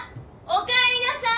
おかえりなさい。